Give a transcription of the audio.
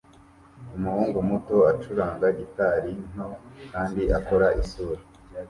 Umuhungu muto acuranga gitari nto kandi akora isura